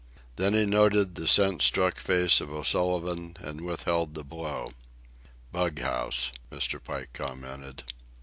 Then he noted the sense struck face of O'Sullivan and withheld the blow. "Bug house," Mr. Pike commented.